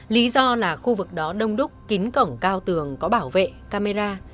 lý do là khu vực đó đông đúc kín cổng cao tường có bảo vệ camera